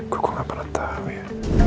kukuh gak pernah tau ya